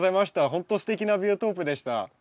ほんとすてきなビオトープでした。